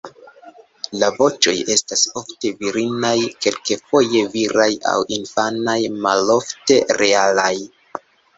La voĉoj estas ofte virinaj, kelkfoje viraj aŭ infanaj, malofte realaj.